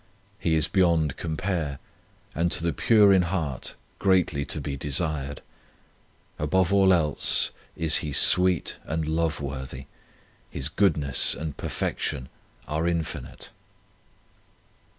He is beyond compare, and to the pure in heart greatly to be desired. Above all else is He sweet and love worthy; His goodness and perfection are infinite.